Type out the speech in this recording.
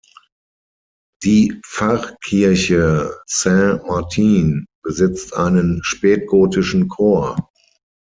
Die Pfarrkirche Saint-Martin besitzt einen spätgotischen Chor.